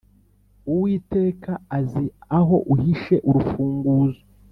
uwiteka azi aho uhishe 'urufunguzo